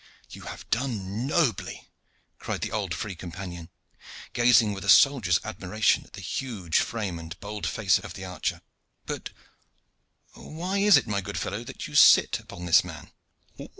"You have done nobly," cried the old free companion, gazing with a soldier's admiration at the huge frame and bold face of the archer. "But why is it, my good fellow, that you sit upon this man."